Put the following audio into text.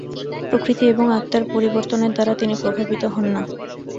প্রকৃতি এবং আত্মার পরিবর্তনের দ্বারা তিনি প্রভাবিত হন না।